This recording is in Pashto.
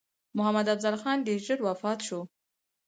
محمدافضل خان ډېر ژر وفات شو.